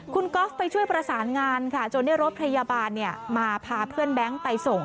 คุณก๊อฟไปช่วยประสานงานค่ะจนได้รถพยาบาลมาพาเพื่อนแบงค์ไปส่ง